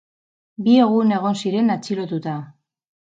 Bi egun egon ziren atxilotuta.